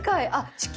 地球。